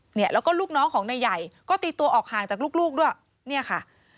เนี่ยแล้วก็ลูกน้องของนายใหญ่ก็ตีตัวออกห่างจากลูกลูกด้วยเนี่ยค่ะ